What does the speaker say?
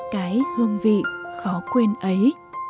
cái hương vị khó quên ấy